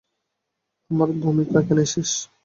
আমার ভূমিকা এখানেই শেষ!